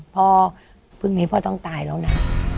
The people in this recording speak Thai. พ่อพรุ่งนี้พ่อต้องตายแล้วนะ